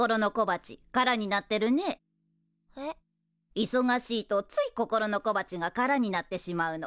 いそがしいとつい心の小鉢が空になってしまうの。